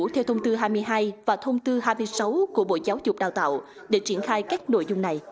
theo thông tư hai mươi hai và thông tư hai mươi sáu của bộ giáo dục đào tạo để triển khai các nội dung này